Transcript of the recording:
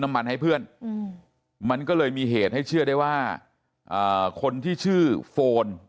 น้ำมันให้เพื่อนมันก็เลยมีเหตุให้เชื่อได้ว่าคนที่ชื่อโฟน